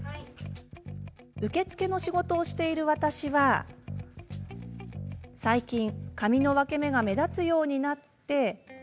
受付の仕事をしている私は最近、髪の分け目が目立つようになって。